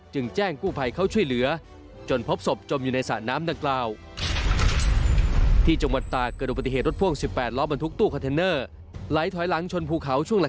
แจ้งกู้ภัยเข้าช่วยเหลือจนพบศพจมอยู่ในสระน้ำดังกล่าว